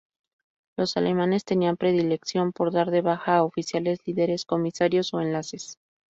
Los alemanes tenían predilección por dar de baja a oficiales lideres, comisarios o enlaces.